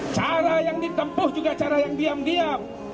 cara yang ditempuh juga cara yang diam diam